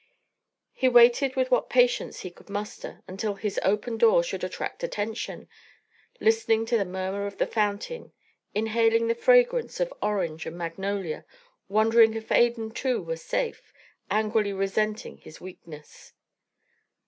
He waited with what patience he could muster until his open door should attract attention, listening to the murmur of the fountain, inhaling the fragrance of orange and magnolia, wondering if Adan, too, were safe, angrily resenting his weakness.